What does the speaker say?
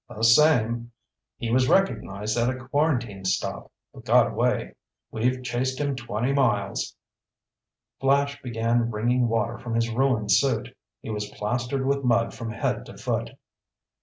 "The same. He was recognized at a quarantine stop, but got away. We've chased him twenty miles." Flash began wringing water from his ruined suit. He was plastered with mud from head to foot.